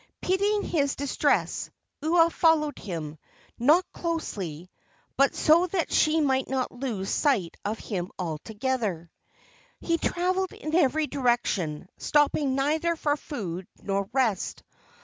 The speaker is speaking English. Pitying his distress, Ua followed him not closely, but so that she might not lose sight of him altogether. He traveled in every direction, stopping neither for food nor rest.